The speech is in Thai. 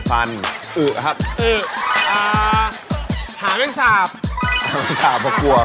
ไปหาแซบก็กลัว